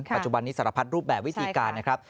ปัจจุบันนี้สารพัดรูปแบบวิธีการนะครับ